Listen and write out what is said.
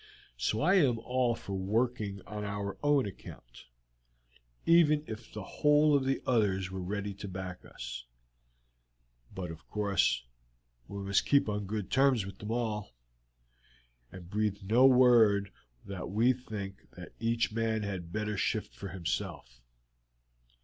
So I am all for working on our own account, even if the whole of the others were ready to back us; but, of course, we must keep on good terms with them all, and breathe no word that we think that each man had better shift for himself.